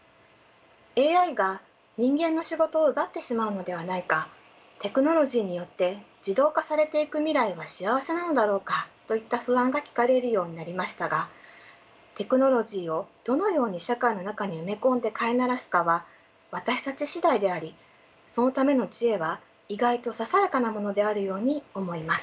ＡＩが人間の仕事を奪ってしまうのではないかテクノロジーによって自動化されていく未来は幸せなのだろうかといった不安が聞かれるようになりましたがテクノロジーをどのように社会の中に埋め込んで飼い慣らすかは私たち次第でありそのための知恵は意外とささやかなものであるように思います。